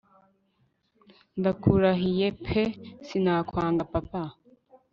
ndakurahiye pe sinakwanga papa